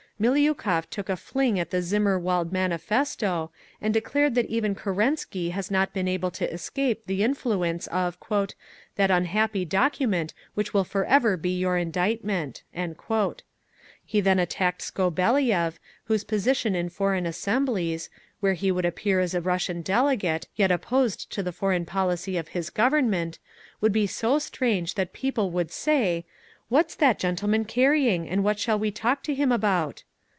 Miliukov took a fling at the Zimmerwald Manifesto, and declared that even Kerensky has not been able to escape the influence of "that unhappy document which will forever be your indictment." He then attacked Skobeliev, whose position in foreign assemblies, where he would appear as a Russian delegate, yet opposed to the foreign policy of his Government, would be so strange that people would say, "What's that gentleman carrying, and what shall we talk to him about?"